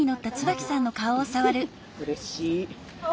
うれしい。